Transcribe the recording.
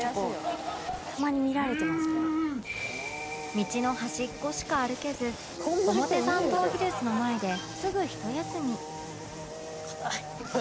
道の端っこしか歩けず表参道ヒルズの前ですぐひと休み